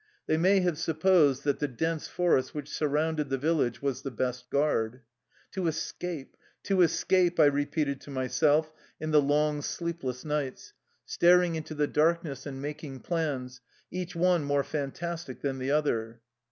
They may have supposed that the dense forest which surrounded the village was the best guard. " To escape, to escape," I repeated to myself in the long, sleepless nights, staring into the darkness and making plans, each one more fan tastic than the other.